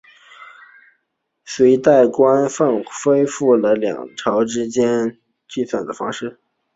隋代官俸恢复了两汉时期以粟米计算俸禄的方式。